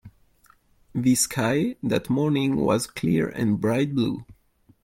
The sky that morning was clear and bright blue.